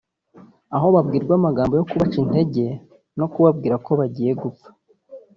aho babwirwa amagambo yo kubaca intege no kubabwira ko bagiye gupfa